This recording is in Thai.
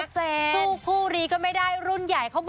สู้คู่รีก็ไม่ได้รุ่นใหญ่เขาบอก